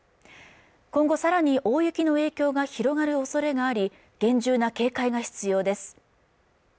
今後さらに大雪の影響が広がるおそれがあり厳重な警戒が必要です